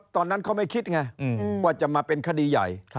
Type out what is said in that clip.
ตอนนั้นเขาไม่คิดไงว่าจะมาเป็นคดีใหญ่